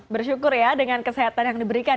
bersyukur ya dengan kesehatan yang diberikan